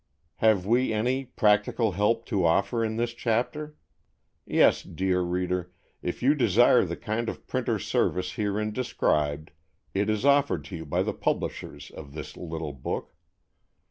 Have we any "practical help" to offer in this chapter? Yes, dear reader, if you desire the kind of printer's service herein described, it is offered to you by the publishers of this little book.